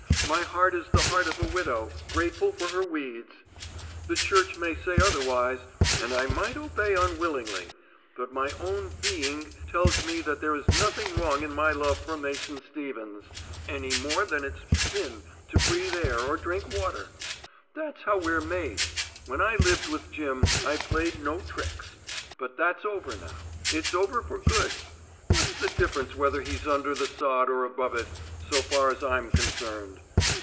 My heart is the heart of a widow grateful for her weeds. The Church may say otherwise and I might obey unwillingly but my own being tells me that there is nothing wrong in my love for Mason Stevens any more than it's sin to breathe air or drink water. That's how we're made. When I lived with Jim, I played no tricks. But that's over now, it's over for good. What's the difference whether he's under the sod or above it, so far as I'm concerned?"